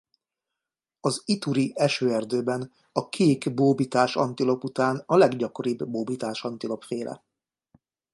Az Ituri-esőerdőben a kék bóbitásantilop után a leggyakoribb bóbitásantilop-féle.